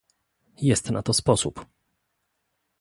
"Jest na to sposób."